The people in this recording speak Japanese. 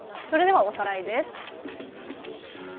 それではおさらいです。